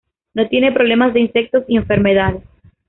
No tiene problemas de insectos y enfermedades.